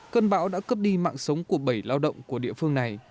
cơn bão đã cấp đi mạng sống của bảy lao động của địa phương này